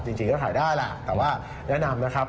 จริงก็ขายได้แหละแต่ว่าแนะนำนะครับ